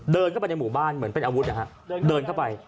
เดินเข้าไปในหมู่บ้านเหมือนเป็นอาวุธนะฮะเดินเข้าไป